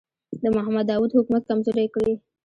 د محمد داوود حکومت کمزوری کړي.